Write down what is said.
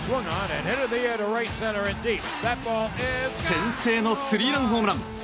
先制のスリーランホームラン。